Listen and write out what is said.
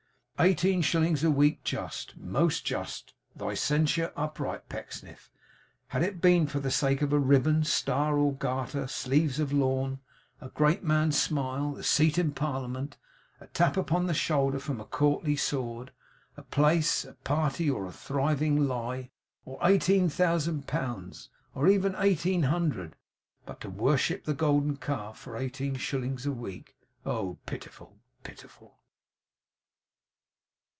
Eighteen shillings a week! Just, most just, thy censure, upright Pecksniff! Had it been for the sake of a ribbon, star, or garter; sleeves of lawn, a great man's smile, a seat in parliament, a tap upon the shoulder from a courtly sword; a place, a party, or a thriving lie, or eighteen thousand pounds, or even eighteen hundred; but to worship the golden calf for eighteen shillings a week! oh pitiful, pitiful!